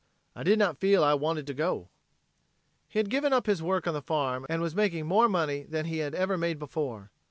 I did not feel I wanted to go." He had given up his work on the farm and was making more money than he had ever made before.